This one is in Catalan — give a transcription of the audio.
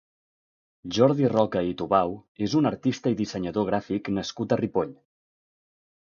Jordi Roca i Tubau és un artista i dissenyador gràfic nascut a Ripoll.